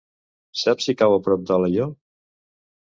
Saps si cau a prop d'Alaior?